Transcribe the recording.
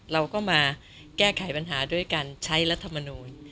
เราก็มาแก้ไขปัญหาด้วยการใช้รัฐมนูล